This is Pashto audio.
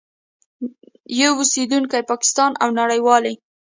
یو اوسېدونکی پاکستان او نړیوالي